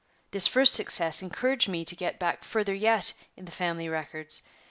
This first success encouraged me to get back further yet in the family records.